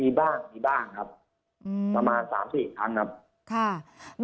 มีบ้างมีบ้างครับประมาณ๓๔ครั้งครับ